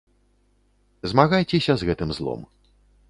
Змагайцеся з гэтым злом.